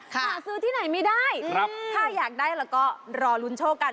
หาซื้อที่ไหนไม่ได้ถ้าอยากได้แล้วก็รอลุ้นโชคกัน